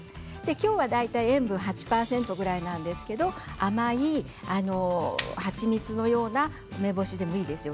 今日は大体塩分８％ぐらいですけれど甘い蜂蜜のような梅干しでもいいですよ。